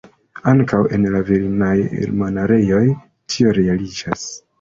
Ankaŭ en la virinaj monaĥejoj tio realiĝas.